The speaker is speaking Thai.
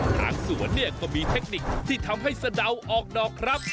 ทางสวนเนี่ยก็มีเทคนิคที่ทำให้สะเดาออกดอกครับ